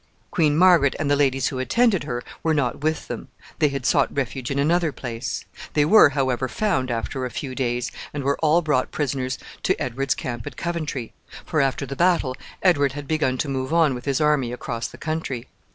Queen Margaret and the ladies who attended her were not with them. They had sought refuge in another place. They were, however, found after a few days, and were all brought prisoners to Edward's camp at Coventry; for, after the battle, Edward had begun to move on with his army across the country.